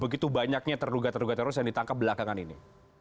begitu banyaknya tertuga teroris yang ditangkap belakangan ini